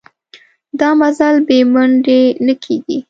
دا مزل بې منډې نه کېږي.